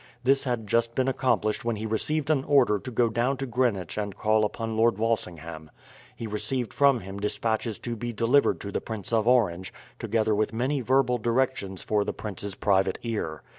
This had just been accomplished when he received an order to go down to Greenwich and call upon Lord Walsingham. He received from him despatches to be delivered to the Prince of Orange, together with many verbal directions for the prince's private ear.